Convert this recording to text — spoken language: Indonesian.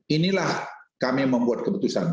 inilah kami membuat keputusan